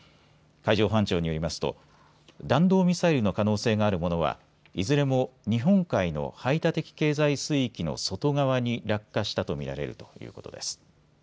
海上保安庁によりますと弾道ミサイルの可能性があるものはいずれも日本海の排他的経済水域の外側に落下したと見られるということです。